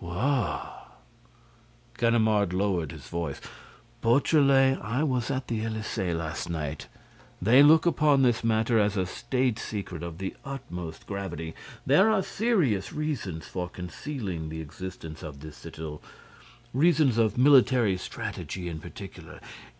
"Whew!" Ganimard lowered his voice: "Beautrelet, I was at the Élysée last night. They look upon this matter as a state secret of the utmost gravity. There are serious reasons for concealing the existence of this citadel—reasons of military strategy, in particular.